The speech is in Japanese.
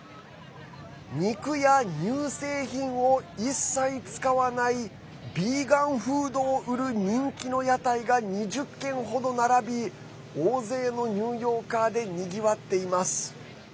肉や乳製品を一切使わないビーガンフードを売る人気の屋台が２０軒ほど並び大勢のニューヨーカーでにぎわっています。